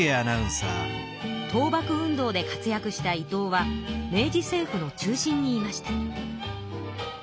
倒幕運動で活躍した伊藤は明治政府の中心にいました。